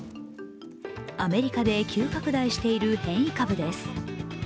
アメリカで急拡大している変異株です。